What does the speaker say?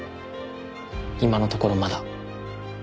今のところまだ。